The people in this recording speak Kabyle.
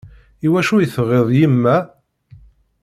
I wacu i teɣɣiḍ yemma?